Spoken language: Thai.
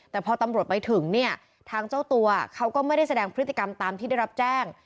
แต่พอตำรวจไปถึงเนี่ยทางเจ้าตัวเขาก็ไม่ได้แสดงพฤติกรรมตามที่ได้รับแจ้ง